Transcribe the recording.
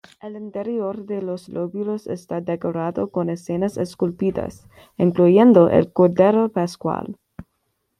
El interior de los lóbulos está decorado con escenas esculpidas, incluyendo el cordero pascual.